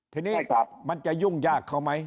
ทีนี้มันจะยุ่งยากเขาไหม